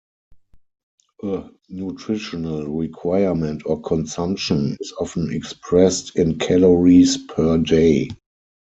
A nutritional requirement or consumption is often expressed in calories per day.